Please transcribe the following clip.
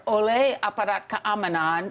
oleh aparat keamanan